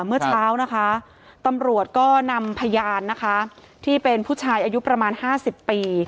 เมื่อเช้านะคะตำรวจก็นำพยานนะคะที่เป็นผู้ชายอายุประมาณ๕๐ปี